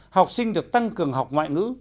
học sinh được tăng cường học ngoại ngữ